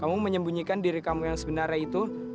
kamu menyembunyikan diri kamu yang sebenarnya itu